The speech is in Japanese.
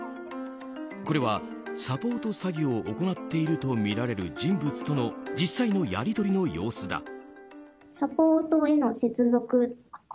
これはサポート詐欺を行っているとみられる人物との実際のやり取りの様子だ。